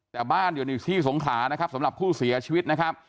แต่บ้านอยู่ในที่สงขลานะครับสำหรับผู้เสียชีวิตนะครับ